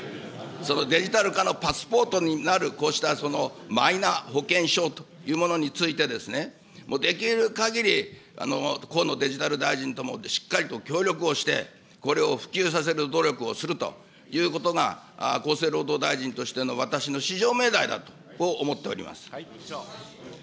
そのデジタル化のパスポートになるこうしたマイナ保険証というものについて、できるかぎり河野デジタル大臣ともしっかりと協力をして、これを普及させる努力をするということが、厚生労働大臣としての私の至上命題だと、こう思っております。